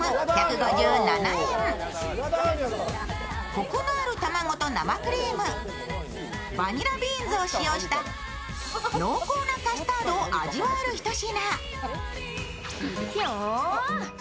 コクのある卵と生クリームバニラビーンズを使用した濃厚なカスタードを味わえるひと品。